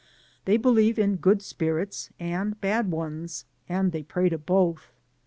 They believe in good spirits and bad ones^ and they pray to both.